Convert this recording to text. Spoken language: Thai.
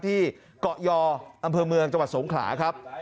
ที่เกาะยออำเภอเมืองจังหวัดสงขลาครับ